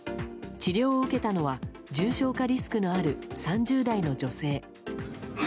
治療を受けたのは重症化リスクのある３０代の女性。